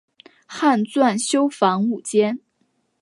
汉纂修房五间。